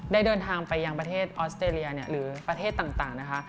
เดินทางไปยังประเทศออสเตรเลียหรือประเทศต่างนะคะ